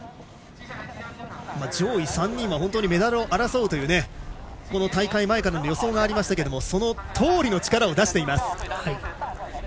上位３人はメダルを争うという大会前からの予想がありましたがそのとおりの力を出しています。